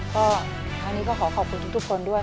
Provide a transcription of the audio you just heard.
ก็อันนี้ก็ขอขอบคุณทุกคนด้วย